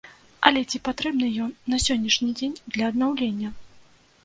Але ці патрэбны ён на сённяшні дзень для аднаўлення?